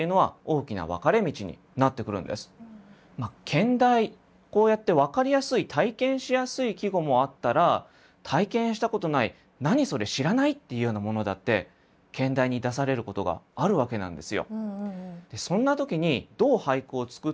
兼題こうやって分かりやすい体験しやすい季語もあったら体験したことない何それ知らないっていうようなものだってでそんな時にそれは取り合わせといいます。